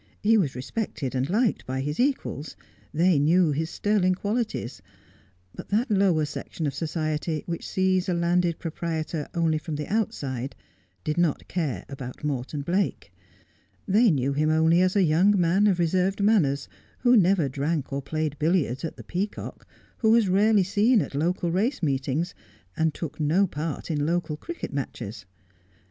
He was respected and liked by his equals ; they knew his sterling qualities ; but that lower section of society which sees a landed proprietor only from the outside did not care about Morton Blake. They knew him only as a young man of reserved manners, who never drank or played billiards at the ' Peacock ;' who was rarely seen at local race meetings, and took no part in local cricket matches.